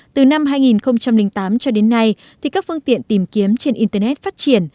từ năm hai nghìn tám cho đến nay thì các phương tiện tìm kiếm trên internet phát triển